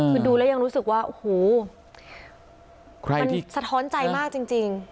คือดูแล้วยังรู้สึกว่าหูใครที่มันสะท้อนใจมากจริงจริง